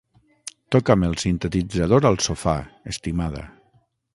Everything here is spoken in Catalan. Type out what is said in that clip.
Toca'm el sintetitzador al sofà, estimada.